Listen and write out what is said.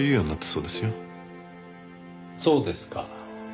そうですか。